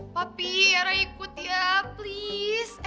papi era ikut ya please